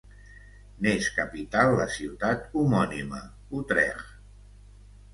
N'és capital la ciutat homònima, Utrecht.